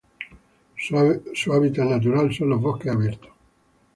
Su hábitat natural son los bosques abiertos.